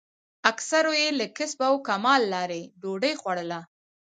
اکثرو یې له کسب او کمال لارې ډوډۍ خوړله.